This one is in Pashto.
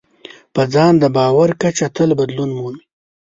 په ځان د باور کچه تل بدلون مومي.